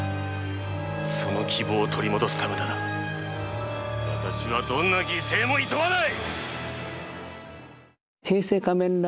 その希望を取り戻すためなら私はどんな犠牲もいとわない！